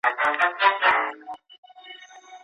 ناکام هغه دي چې وخت ضايع کوي.